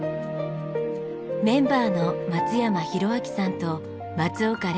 メンバーの松山宏彰さんと松岡嶺